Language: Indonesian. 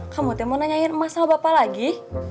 kamu mau tanya emas sama bapak lagi